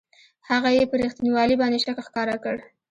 هغه یې پر رښتینوالي باندې شک ښکاره کړ.